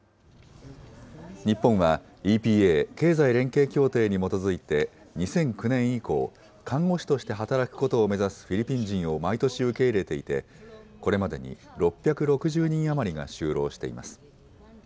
日本は、ＥＰＡ・経済連携協定に基づいて、２００９年以降、看護師として働くことを目指すフィリピン人を毎年受け入れていて、これまでに６６０人余りが就労しています。